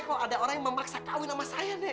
kok ada orang yang memaksa kawin sama saya nek